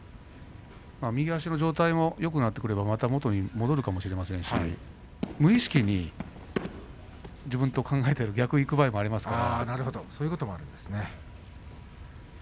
右足の状態もよくなってくればまた元に戻るかもしれませんし無意識に自分で考えているのと逆にいく場合もありますから。